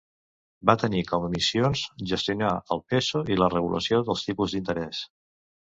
Va tenir com a missions gestionar el peso i la regulació dels tipus d'interès.